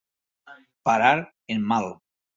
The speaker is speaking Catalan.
Parar en mal.